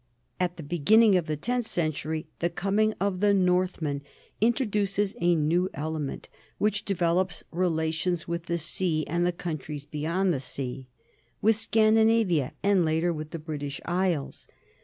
At the beginning of the tenth cen tury the coming of the Northmen introduces a new element which develops relations with the sea and the countries beyond the sea, with Scandinavia and later with the British Isles.